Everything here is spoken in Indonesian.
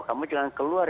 kamu jangan keluar